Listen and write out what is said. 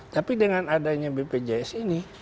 tapi dengan adanya bpjs ini